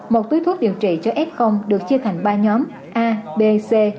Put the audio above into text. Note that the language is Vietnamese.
một túi thuốc điều trị cho f được chia thành ba nhóm a b c